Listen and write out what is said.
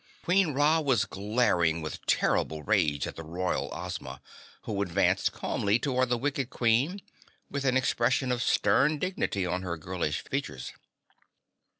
Queen Ra was glaring with terrible rage at the Royal Ozma, who advanced calmly toward the wicked Queen with an expression of stern dignity on her girlish features.